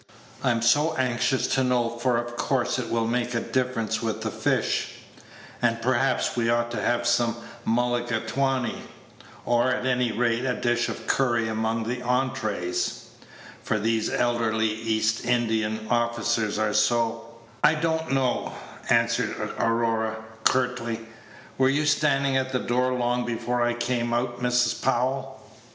"I am so anxious to know, for of course it will make a difference with the fish and perhaps we ought to have some mulligatawny, or, at any rate, a dish of curry among the entrées, for these elderly East Indian officers are so " "I don't know," answered Aurora, curtly. "Were you standing at the door long before I came out, Mrs. Powell?"